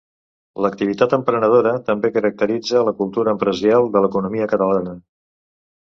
L'activitat emprenedora també caracteritza la cultura empresarial de l'economia catalana.